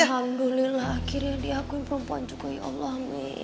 alhamdulillah akhirnya diakuin perempuan juga ya allah